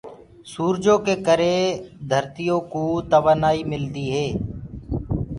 سوُرجو ڪي ڪري گر سي ڪوُ توآبآئي ميدي هي۔